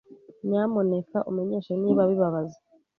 Nyamuneka umenyeshe niba bibabaza.